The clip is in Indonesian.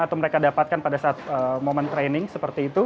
atau mereka dapatkan pada saat momen training seperti itu